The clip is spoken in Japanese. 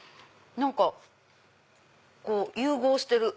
何かこう融合してる。